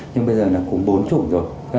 nhưng bây giờ là cúm bốn chủng rồi